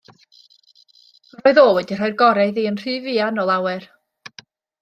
Roedd o wedi rhoi'r gore iddi yn rhy fuan o lawer.